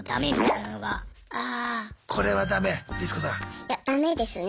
いやダメですね。